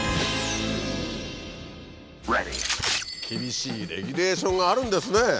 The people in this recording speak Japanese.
厳しいレギュレーションがあるんですね。